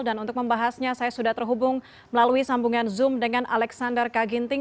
dan untuk membahasnya saya sudah terhubung melalui sambungan zoom dengan alexander kaginting